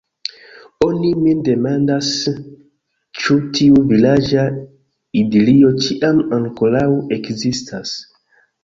Oni min demandas, ĉu tiu vilaĝa idilio ĉiam ankoraŭ ekzistas.